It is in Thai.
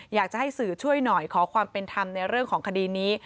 อยากจะให้สื่อช่วยหน่อยขอความเป็นธรรมในเรื่องของคดีนี้